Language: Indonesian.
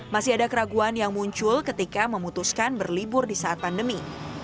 masih ada keraguan yang muncul ketika memutuskan berlibur di saat pandemi